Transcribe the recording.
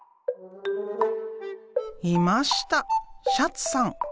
いましたシャツさん。